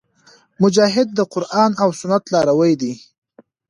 مجاهد د قرآن او سنت لاروی وي.